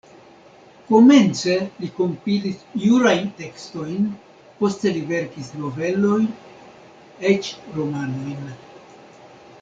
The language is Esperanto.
Komence li kompilis jurajn tekstojn, poste li verkis novelojn, eĉ romanojn.